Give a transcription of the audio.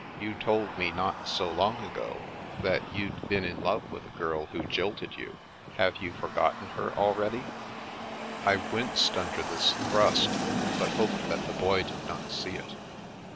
" You told me not so long ago that you'd been in love with a girl who jilted you. Have you forgotten her already? " 226 The Princess Passes I winced under this thrust, but hoped that the Boy did not see it.